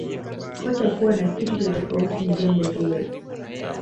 kocha kuwa na kitu cha tofauti ni jambo zuri